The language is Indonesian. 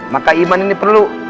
maka iman ini perlu